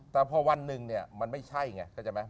แต่พอวันหนึ่งเนี่ยมันไม่ใช่ไง